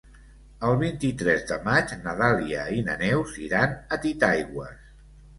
El vint-i-tres de maig na Dàlia i na Neus iran a Titaigües.